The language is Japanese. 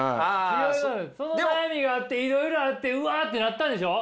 その悩みがあっていろいろあってうわってなったんでしょ？